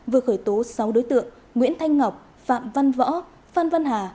vừa khởi tố sáu đối tượng nguyễn thanh ngọc phạm văn võ phan văn hà